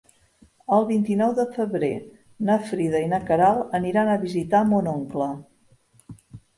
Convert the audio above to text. El vint-i-nou de febrer na Frida i na Queralt aniran a visitar mon oncle.